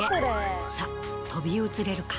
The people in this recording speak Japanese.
さあ飛び移れるか？